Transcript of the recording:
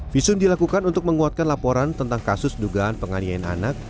visum dilakukan untuk menguatkan laporan tentang kasus dugaan penganiayaan anak